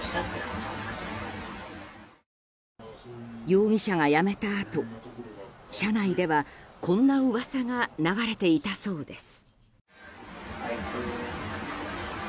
容疑者が辞めたあと社内ではこんな噂が流れていたそうです。